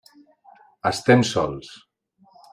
Estem sols.